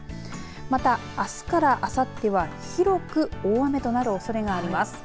また、あすからあさっては広く大雨となるおそれがあります。